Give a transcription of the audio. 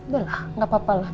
berah gak apa apa lah